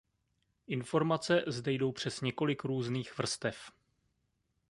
Informace zde jdou přes několik různých vrstev.